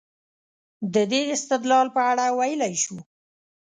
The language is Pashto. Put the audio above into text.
د دې استدلال په اړه ویلای شو.